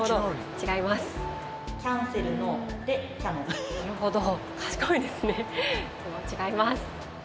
違いますか。